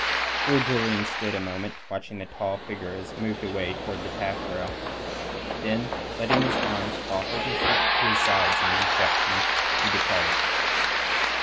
Lord Julian stood a moment, watching the tall figure as it moved away towards the taffrail. Then letting his arms fall helplessly to his sides in dejection, he departed.